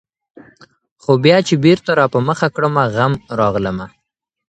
خو بيا چي بېرته راپه مخه کړمه غم ، راغلمه